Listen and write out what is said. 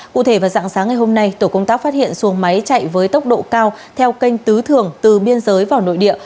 cụ thể vào dạng sáng ngày hôm nay tổ công tác phát hiện xuồng máy chạy với tốc độ cao theo kênh tứ thường từ biên giới vào nội địa